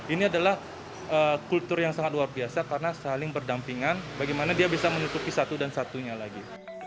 ini adalah kultur yang sangat luar biasa karena saling berdampingan bagaimana dia bisa menutupi satu dan satunya lagi